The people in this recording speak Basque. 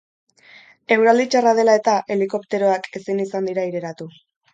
Eguraldi txarra dela eta, helikopteroak ezin izan dira aireratu.